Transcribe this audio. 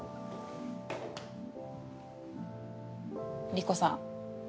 理子さん